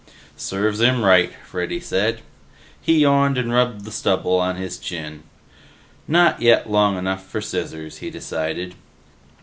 "Serves him right," Freddy said. He yawned and rubbed the stubble on his chin. Not yet long enough for scissors, he decided.